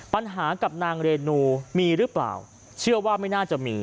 ปัญหากับนางเรนูมีหรือเปล่าเชื่อว่าไม่น่าจะมี